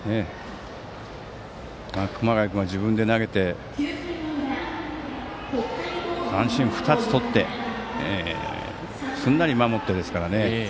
熊谷君は自分で投げて三振を２つとってすんなり守ってですからね。